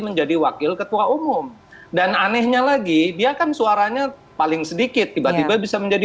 menjadi wakil ketua umum dan anehnya lagi dia kan suaranya paling sedikit tiba tiba bisa menjadi